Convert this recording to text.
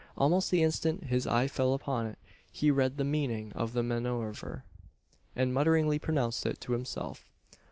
Almost the instant his eye fell upon it, he read the meaning of the manoeuvre, and mutteringly pronounced it to himself.